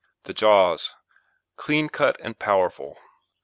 THE JAWS Clean cut and powerful.